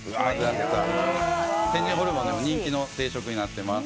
天神ホルモン、人気の定食となっております。